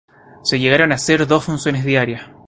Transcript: Se llegaron a hacer dos funciones diarias.